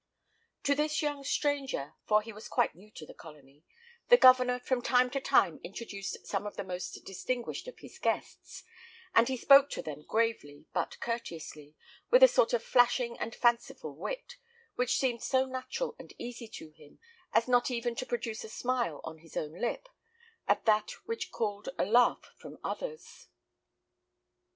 To this young stranger for he was quite new to the colony the Governor from time to time introduced some of the most distinguished of his guests; and he spoke to them gravely, but courteously, with a sort of flashing and fanciful wit, which seemed so natural and easy to him as not even to produce a smile on his own lip, at that which called a laugh from others.